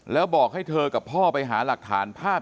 แล้วบอกให้เธอกับพ่อไปหาหลักฐานภาพ